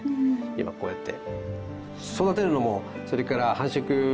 今こうやって。